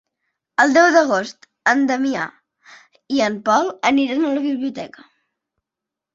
El deu d'agost en Damià i en Pol aniran a la biblioteca.